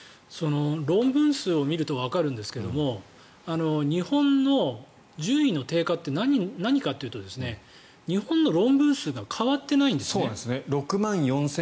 論文数を見るとわかるんですが日本の順位の低下って何かというと日本の論文数が変わっていないんですね。